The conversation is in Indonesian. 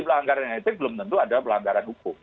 pelanggaran etik belum tentu adalah pelanggaran hukum